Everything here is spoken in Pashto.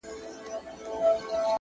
صبر د لویو لاسته راوړنو بنسټ دی.!